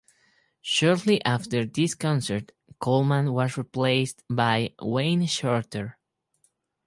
Shortly after this concert, Coleman was replaced by Wayne Shorter.